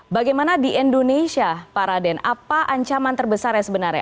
bagaimana di indonesia pak raden apa ancaman terbesarnya sebenarnya